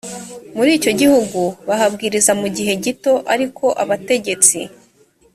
muri icyo gihugu bahabwiriza mu gihe gito ariko abategetsi